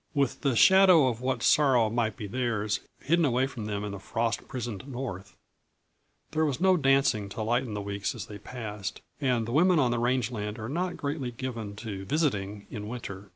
With the shadow of what sorrow might be theirs, hidden away from them in the frost prisoned North, there was no dancing to lighten the weeks as they passed, and the women of the range land are not greatly given to "visiting" in winter.